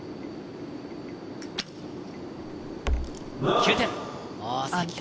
９点。